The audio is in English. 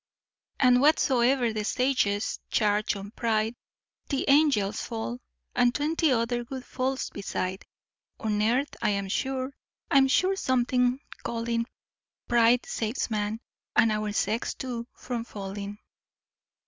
And whatsoever the sages charge on pride, The angels' fall, and twenty other good faults beside; On earth I'm sure I'm sure something calling Pride saves man, and our sex too, from falling.